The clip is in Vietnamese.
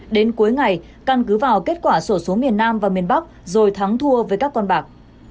đến cuối ngày căn cứ vào kết quả sổ số miền nam và miền bắc rồi thắng thua với các con bạc